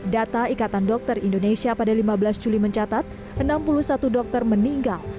data ikatan dokter indonesia pada lima belas juli mencatat enam puluh satu dokter meninggal